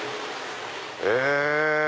え。